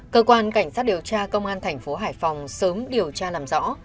cơ quan cảnh sát điều tra công an thành phố hải phòng sớm điều tra làm rõ